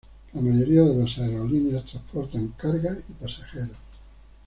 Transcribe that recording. La mayoría de las aerolíneas transportan carga y pasajeros.